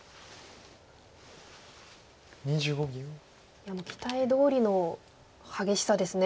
いや期待どおりの激しさですね。